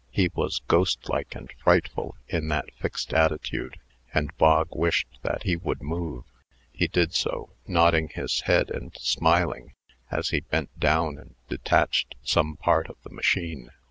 He was ghostlike and frightful in that fixed attitude, and Bog wished that he would move. He did so, nodding his head, and smiling, as he bent down and detached some part of the machine.